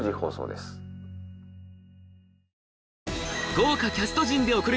豪華キャスト陣で送る